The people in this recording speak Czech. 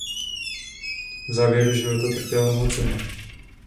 V závěru života trpěl nemocemi.